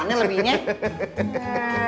dari mana lebihnya